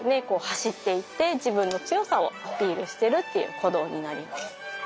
走っていって自分の強さをアピールしてるっていう行動になります。